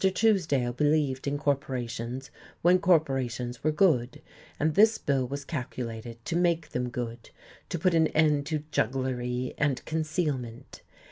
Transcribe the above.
Truesdale believed in corporations when corporations were good, and this bill was calculated to make them good, to put an end to jugglery and concealment.